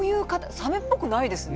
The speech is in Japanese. サメっぽくないですね。